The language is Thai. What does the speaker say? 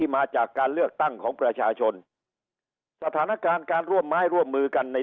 มาจากการเลือกตั้งของประชาชนสถานการณ์การร่วมไม้ร่วมมือกันใน